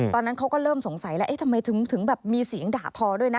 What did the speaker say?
ตอนนั้นเขาก็เริ่มสงสัยแล้วเอ๊ะทำไมถึงแบบมีเสียงด่าทอด้วยนะ